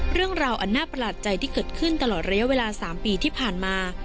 เรื่องราวอันน่าประหลาดใจที่เกิดขึ้นตลอดระยะเวลา๓ปีที่ผ่านมา